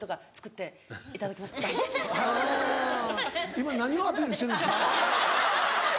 今何をアピールしてるんですか？